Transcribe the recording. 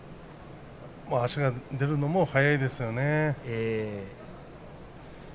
足が出るのも早いですよね。